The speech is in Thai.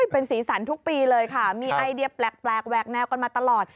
เป็นสีสันทุกปีเลยค่ะมีไอเดียแปลกแหวกแนวกันมาตลอด